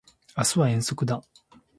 明日は遠足だ